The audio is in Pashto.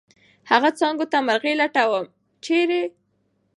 هغه څانګو ته مرغي لټوم ، چېرې؟